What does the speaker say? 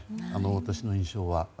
私の印象は。